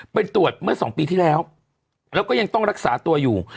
ตรวจเมื่อ๒ปีที่แล้วแล้วก็ยังต้องรักษาตัวอยู่